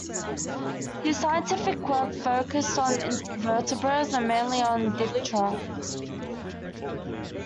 His scientific work focused on invertebrates, and mainly on "Diptera".